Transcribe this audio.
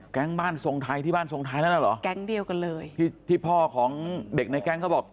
บ้านทรงไทยที่บ้านทรงไทยนั่นน่ะเหรอแก๊งเดียวกันเลยที่ที่พ่อของเด็กในแก๊งเขาบอก